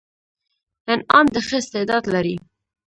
انعام د ښه استعداد لري.